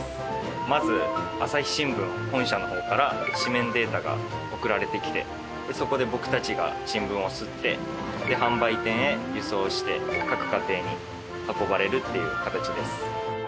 まず朝日新聞本社の方から紙面データが送られてきてそこで僕たちが新聞を刷って販売店へ輸送して各家庭に運ばれるっていう形です。